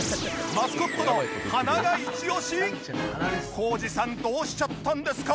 浩司さんどうしちゃったんですか？